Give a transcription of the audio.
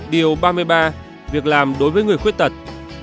điều ba mươi ba việc làm đối với người khuyết tật